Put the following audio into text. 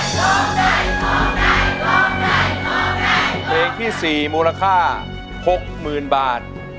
เพลงที่สี่มูลค่าหกหมื่นบาท